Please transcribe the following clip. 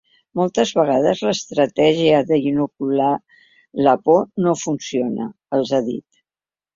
“Moltes vegades l’estratègia d’inocular la por no funciona”, els ha dit.